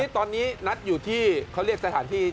ตอนนี้นัดอยู่ที่เขาเรียกสถานที่